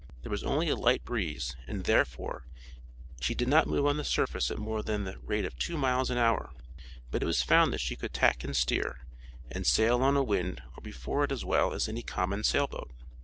There was only a light breeze, and therefore she did not move on the surface at more than the rate of two miles an hour; but it was found that she would tack and steer, and sail on a wind or before it as well as any common sail boat.